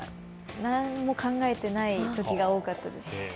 何も考えてないときが多かったです。